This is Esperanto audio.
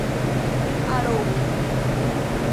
Ne arogu!